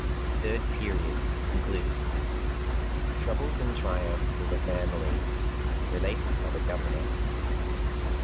Third Period (concluded). _TROUBLES AND TRIUMPHS OF THE FAMILY, RELATED BY THE GOVERNOR.